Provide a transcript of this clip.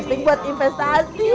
penting buat investasi